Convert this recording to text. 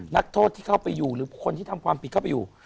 นักโทษที่เข้าไปอยู่หรือคนที่ทำความผิดเข้าไปอยู่